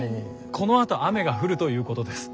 このあと雨が降るということです。